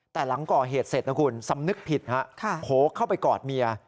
แต่หลังก่อเหตุเสร็จนะคุณสำนึกผิดฮะโผล่เข้าไปกอดเมีย